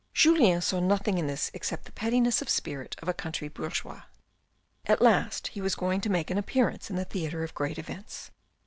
Julien saw nothing in this except the pettiness of spirit of a country bourgeois. At last he was going to make an appearance in the theatre of great events.